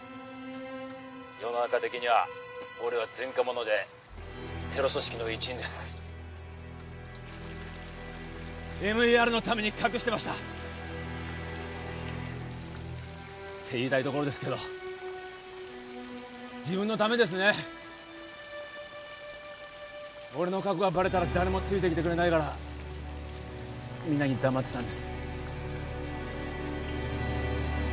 世の中的には俺は前科者でテロ組織の一員ですＭＥＲのために隠してましたって言いたいところですけど自分のためですね俺の過去がバレたら誰もついてきてくれないからみんなに黙ってたんです